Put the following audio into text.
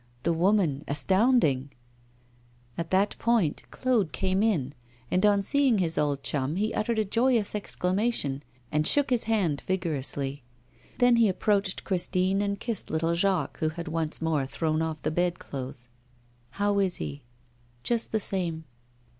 the woman, astounding!' At that moment Claude came in, and on seeing his old chum he uttered a joyous exclamation and shook his hand vigorously. Then he approached Christine, and kissed little Jacques, who had once more thrown off the bedclothes. 'How is he?' 'Just the same.